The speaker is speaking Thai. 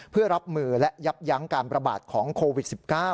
เพื่อรับมือและยับยั้งการประบาดของโควิด๑๙